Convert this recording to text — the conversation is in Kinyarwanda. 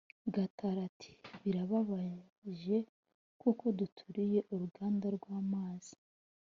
Gatari ati Birababaje kuko duturiye uruganda rwamazi